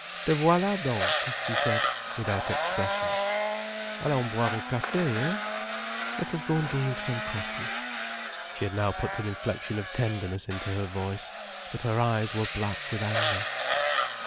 "Te voilà donc!" she said, without expression. "Allons boire un café, hé? Let us go and drink some coffee." She had now put an inflection of tenderness into her voice. But her eyes were black with anger.